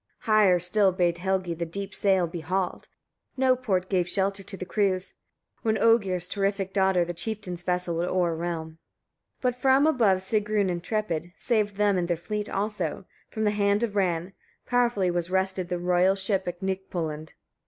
29. Higher still bade Helgi the deep sail be hauled. No port gave shelter to the crews; when Oegir's terrific daughter the chieftains' vessels would o'erwhelm, 30. But from above Sigrun intrepid, saved them and their fleet also; from the hand of Ran powerfully was wrested the royal ship at Gnipalund.